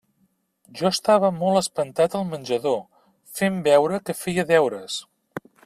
Jo estava molt espantat al menjador, fent veure que feia deures.